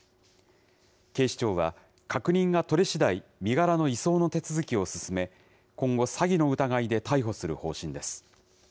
警視庁は確認が取れ次第、身柄の移送の手続きを進め、今後、詐欺の疑いで逮捕する方針です。